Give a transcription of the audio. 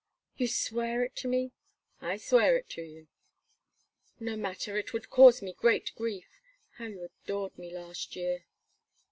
"You swear it to me?" "I swear it to you." "No matter, it would cause me great grief. How you adored me last year!"